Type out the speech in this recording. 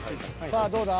さあどうだ？